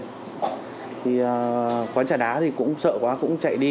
thì quán trà đá thì cũng sợ quá cũng chạy đi